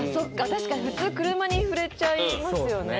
確かに普通車に触れちゃいますよね